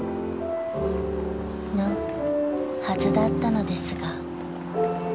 ［のはずだったのですが］